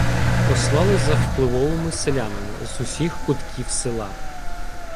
Послали за впливовими селянами з усіх кутків села.